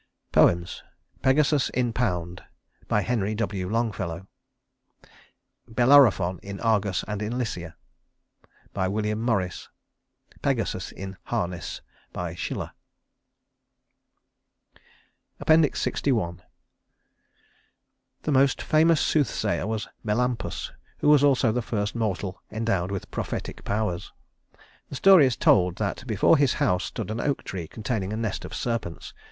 Poems: Pegasus in Pound HENRY W. LONGFELLOW Bellerophon in Argos and in Lycia WILLIAM MORRIS Pegasus in Harness SCHILLER LXI The most famous soothsayer was Melampus, who was also the first mortal endowed with prophetic powers. The story is told that before his house stood an oak tree containing a nest of serpents.